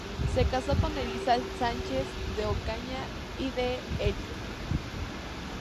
Se casó con Elisa Sánchez de Ocaña y de Elio.